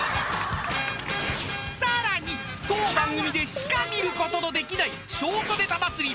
［さらに当番組でしか見ることのできないショートネタ祭り